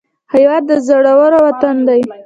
هېواد د زړورو وطن دی